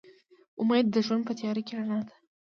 امید د ژوند په تیاره کې رڼا ده.